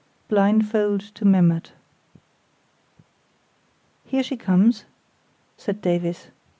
Blindfold to Memmert "Here she comes," said Davies.